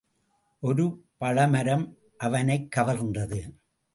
ஒரு பழமரம் அவனைக் கவர்ந்தது.